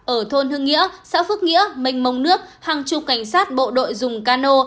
ở thôn hưng nghĩa xã phước nghĩa mênh mông nước hàng chục cảnh sát bộ đội dùng cano